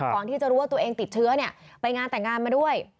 ก่อนที่จะรู้ว่าตัวเองติดเชื้อเนี่ยไปงานแต่งงานมาด้วย